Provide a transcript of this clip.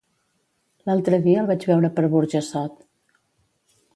L'altre dia el vaig veure per Burjassot.